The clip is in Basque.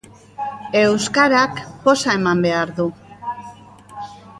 Euskarak poza eman behar du.